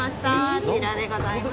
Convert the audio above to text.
こちらでございます。